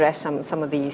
beberapa masalah yang